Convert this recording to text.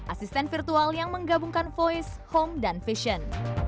asisten virtual yang menggabungkan voice home dan vision